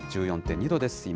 １４．２度です、今。